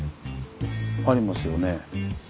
ありますよね。